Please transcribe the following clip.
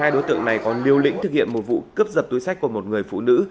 đối tượng này còn lưu lĩnh thực hiện một vụ cướp giật túi sách của một người phụ nữ